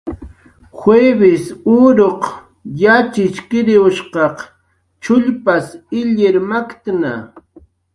Juivis uruq yatxchiriwshq chullkun illir maktna